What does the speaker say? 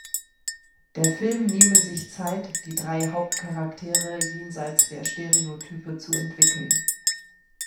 Der Film nehme sich Zeit, die drei Hauptcharaktere jenseits der Stereotype zu entwickeln.